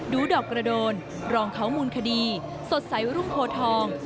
ดอกกระโดนรองเขามูลคดีสดใสรุ่งโพทอง